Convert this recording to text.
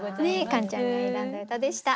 カンちゃんが選んだ歌でした。